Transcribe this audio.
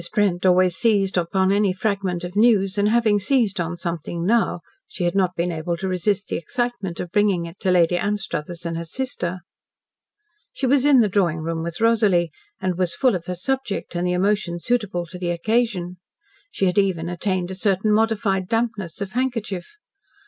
Brent always seized upon any fragment of news, and having seized on something now, she had not been able to resist the excitement of bringing it to Lady Anstruthers and her sister. She was in the drawing room with Rosalie, and was full of her subject and the emotion suitable to the occasion. She had even attained a certain modified dampness of handkerchief.